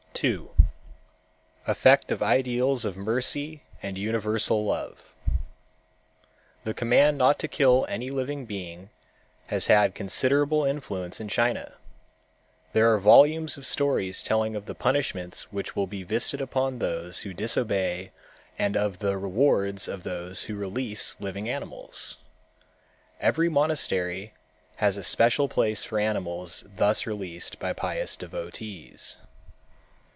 2. Effect of Ideals of Mercy and Universal Love The command not to kill any living being has had considerable influence in China. There are volumes of stories telling of the punishments which will be visited upon those who disobey and of the rewards of those who release living animals. Every monastery has a special place for animals thus released by pious devotees.